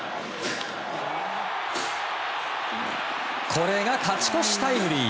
これが勝ち越しタイムリー。